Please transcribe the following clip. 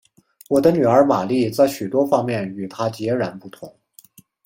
我的女儿玛丽在许多方面与她则截然不同。